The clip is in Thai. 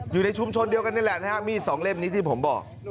อยู่ในชุมชนเดียวกันนี่แหละนะฮะมีดสองเล่มนี้ที่ผมบอก